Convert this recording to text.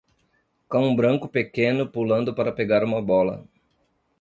Cão branco pequeno pulando para pegar uma bola